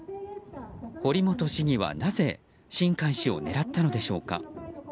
堀本市議はなぜ新開氏を狙ったのでしょうか。